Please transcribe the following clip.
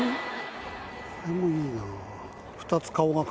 これもいいな。